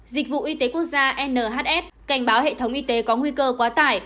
dịch vụ y tế quốc gia nhs cảnh báo hệ thống y tế có nguy cơ quá tải